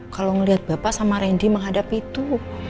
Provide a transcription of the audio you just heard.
kalau ngelihat bapak sama reni menghadapi itu